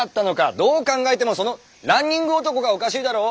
どう考えてもその「ランニング男」がおかしいだろう？